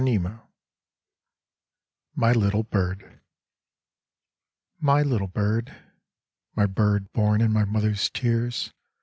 I05 MY LITTLE BIRD My little bird, My bird born in my Mother's tears.